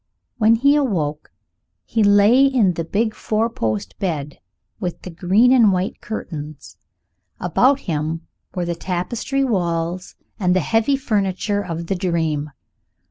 When he awoke he lay in the big four post bed with the green and white curtains; about him were the tapestry walls and the heavy furniture of The Dream.